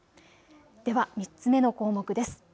では３つ目の項目です。